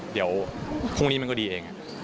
เดี๋ยวพรุ่งนี้มันก็ดีเอง